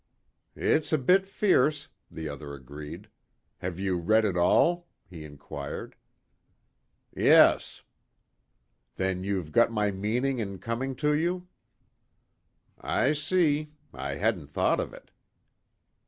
"It's a bit fierce," the other agreed. "Have you read it all?" he inquired. "Yes." "Then you've got my meaning in coming to you?" "I see. I hadn't thought of it."